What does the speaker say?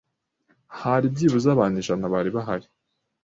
Hari byibuze abantu ijana bari bahari